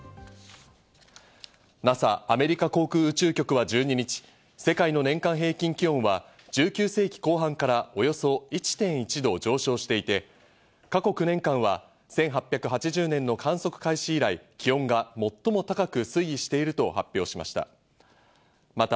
ＮＡＳＡ＝アメリカ航空宇宙局は１２日、世界の年間平均気温は１９世紀後半からおよそ１．１度上昇していて、過去９年間は１８８０年の観測開始以来、気温が最も高く推移していると発表しました。